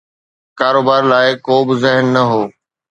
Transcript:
ڪاروبار لاءِ ڪو به ذهن نه هو.